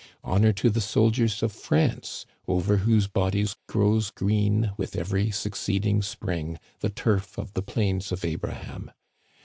Honor to the soldiers of France, over whose bodies grows green, with every succeeding spring, the turf of the Plains of Abraham